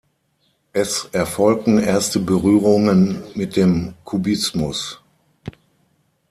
Es erfolgten erste Berührungen mit dem Kubismus.